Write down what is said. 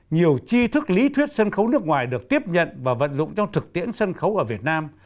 nhiều chi thức lý thuyết sân khấu nước ngoài được tiếp nhận và vận dụng trong thực tiễn sân khấu ở việt nam